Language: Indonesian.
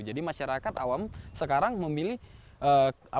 jadi masyarakat awam sekarang memilih kota sumatera